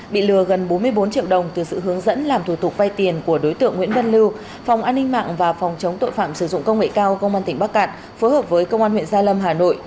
bị lừa gần bốn mươi bốn triệu đồng từ sự hướng dẫn làm thủ tục vay tiền của đối tượng nguyễn văn lưu phòng an ninh mạng và phòng chống tội phạm sử dụng công nghệ cao công an tỉnh bắc cạn phối hợp với công an huyện gia lâm hà nội